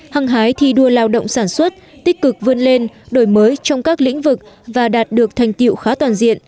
hăng hái thi đua lao động sản xuất tích cực vươn lên đổi mới trong các lĩnh vực và đạt được thành tiệu khá toàn diện